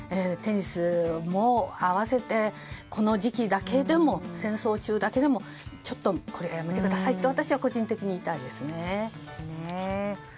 テニスも合わせてこの時期だけでも戦争中だけでもこれはやめてくださいと私は個人的に言いたいですね。